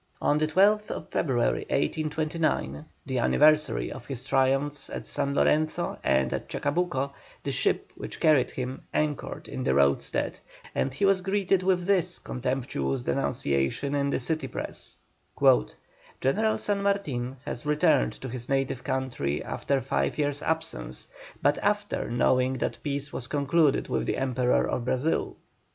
On the 12th February, 1829, the anniversary of his triumphs at San Lorenzo and at Chacabuco, the ship which carried him anchored in the roadstead, and he was greeted with this contemptuous denunciation in the city press: "General San Martin has returned to his native country after five years' absence, but after knowing that peace was concluded with the Emperor of Brazil."